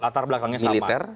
latar belakangnya sama